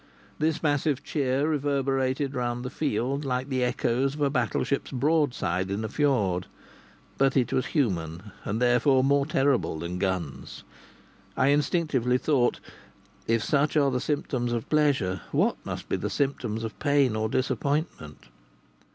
This massive cheer reverberated round the field like the echoes of a battleship's broadside in a fiord. But it was human, and therefore more terrible than guns. I instinctively thought: "If such are the symptoms of pleasure, what must be the symptoms of pain or disappointment?"